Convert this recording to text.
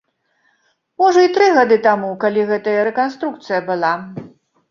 Можа, і тры гады таму, калі гэтая рэканструкцыя была.